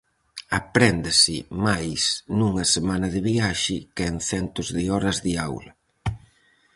Apréndese máis nunha semana de viaxe que en centos de horas de aula.